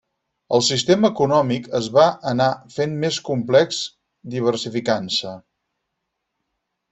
El sistema econòmic es va anar fent més complex, diversificant-se.